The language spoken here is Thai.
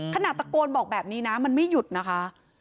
ขนาดตะโกนบอกแบบนี้นะมันไม่หยุดนะคะ